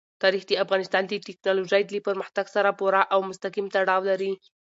تاریخ د افغانستان د تکنالوژۍ له پرمختګ سره پوره او مستقیم تړاو لري.